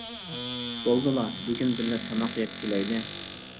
-بولدىلا، بۈگۈن بىللە تاماق يەپ كېلەيلى.